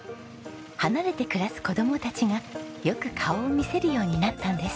離れて暮らす子供たちがよく顔を見せるようになったのです。